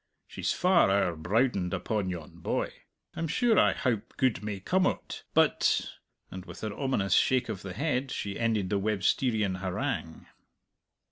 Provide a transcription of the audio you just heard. She's far owre browdened upon yon boy. I'm sure I howp good may come o't, but " and with an ominous shake of the head she ended the Websterian harangue.